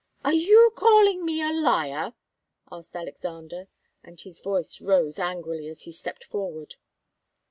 "Are you calling me a liar?" asked Alexander, and his voice rose angrily as he stepped forward.